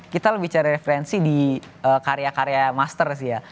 kita bicara referensi di karya karya master sih ya